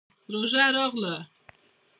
روژه راغله.